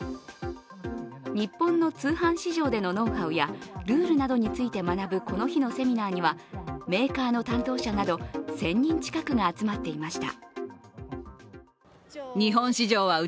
日本の通販市場でのノウハウやルールなどについて学ぶこの日のセミナーにはメーカーの担当者など１０００人近くが集まっていました。